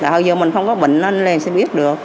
hồi giờ mình không có bệnh lên lên sẽ biết được